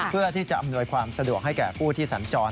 เพื่อที่จะอำนวยความสะดวกให้แก่ผู้ที่สัญจร